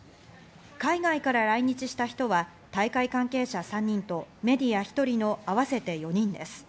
海外から来日した人は大会関係者３人とメディア１人の合わせて４人です。